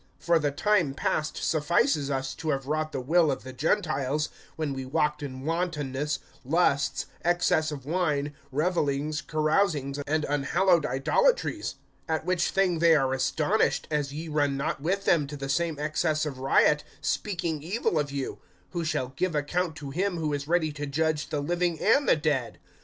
(3)For the time past suffices us to have wrought the will of the Gentiles, when we walked in wantonness, lusts, excess of wine, revelings, carousings, and unhallowed idolatries; (4)at which thing they are astonished, as ye run not with them to the same excess of riot, speaking evil of you; (5)who shall give account to him who is ready to judge the living and the dead.